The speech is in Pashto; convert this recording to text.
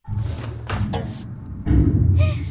عبدالباري حهاني،